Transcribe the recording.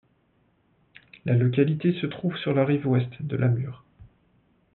La localité se trouve sur la rive ouest de la Mur.